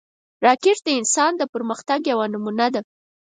راکټ د انسان پرمختګ یوه نمونه ده